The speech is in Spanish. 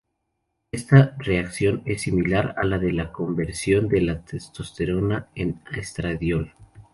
Esta reacción es similar a la de la conversión de la testosterona en estradiol.